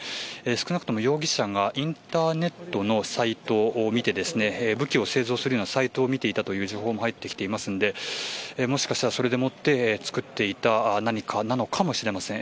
少なくとも容疑者がインターネットのサイトを見て、武器を製造するようなサイトを見ていたという情報も入ってきていますのでもしかしたらそれでもって作っていた何かなのかもしれません。